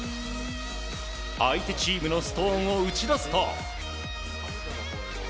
相手チームのストーンを打ち出すと。